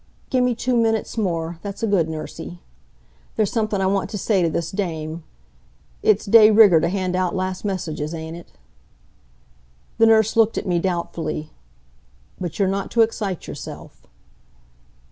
"Gimme two minutes more, that's a good nursie. There's something I want to say t' this dame. It's de rigger t' hand out last messages, ain't it?" The nurse looked at me, doubtfully. "But you're not to excite yourself."